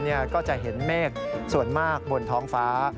พี่มณฑลก็จะเห็นเมฆส่วนมากบนท้องฟ้า